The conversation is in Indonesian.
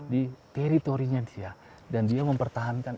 di teritorinya dia dan dia mempertahankan